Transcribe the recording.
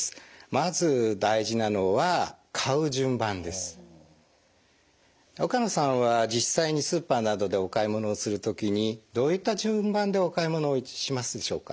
まず大事なのは岡野さんは実際にスーパーなどでお買い物をする時にどういった順番でお買い物をしますでしょうか？